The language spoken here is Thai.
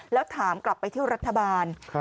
แล้วถามกลับไปที่รัฐบาล